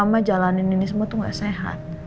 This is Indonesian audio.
mama jalanin ini semua tuh gak sehat